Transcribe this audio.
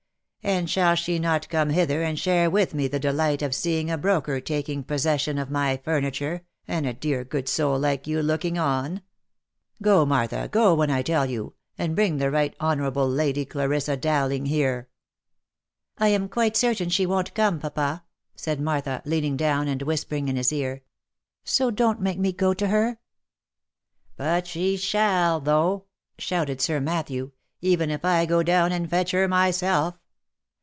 And shall she not come hither and share with me the delight of seeing a broker taking possession of my furniture, and a dear good soul like you look ing on ? Go, Martha, go when I tell you, and bring the right ho nourable Lady Clarissa Bowling here." " I am quite certain she won't come, papa," said Martha, leaning down, and whispering in his ear. " So don't make me go to her." " But she shall, though !" shouted Sir Matthew, " even if I go down, and fetch her myself.